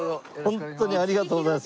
ホントにありがとうございます。